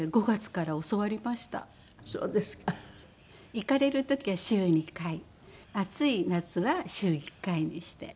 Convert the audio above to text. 行かれる時は週２回暑い夏は週１回にして。